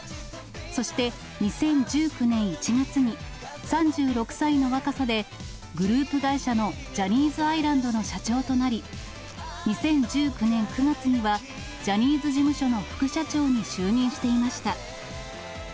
そして、２０１９年１月に、３６歳の若さでグループ会社のジャニーズアイランドの社長となり、２０１９年９月には、ジャニーズ事務所の副社長に就任していました。